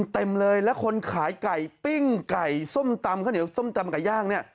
เต็มเลยแล้วคนขายไก่ปิ้งไก่ส้มตำข้าวเหนียวส้มตำไก่ย่างเนี่ย